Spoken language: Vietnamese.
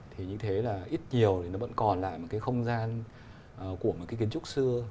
thì như thế là ít nhiều thì nó vẫn còn lại một cái không gian của một cái kiến trúc xưa